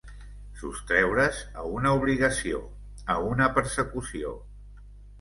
Sostreure's a una obligació, a una persecució.